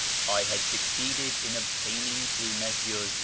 I had succeeded in obtaining through Messrs.